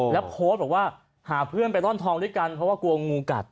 แล้วโพสต์บอกว่าหาเพื่อนไปร่อนทองด้วยกันเพราะว่ากลัวงูกัด